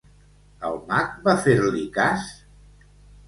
El mag va fer-li cas?